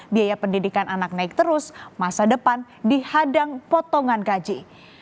biaya pendidikan anak naik terus masa depan dihadang potongan gaji